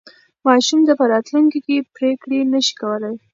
ماشوم په راتلونکي کې پرېکړې نه شي کولای.